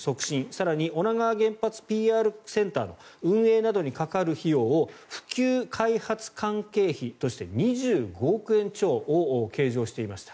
更に女川原発ＰＲセンターの運営などにかかる費用を普及開発関係費として２５億円超計上していました。